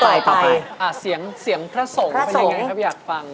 เสียงพระโสงมันเป็นยังไงครับอยากฟัง